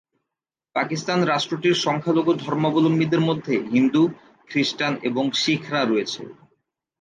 পাকিস্তান রাষ্ট্রটির সংখ্যালঘু ধর্মাবলম্বীদের মধ্যে হিন্দু, খ্রিষ্টান এবং শিখরা রয়েছে।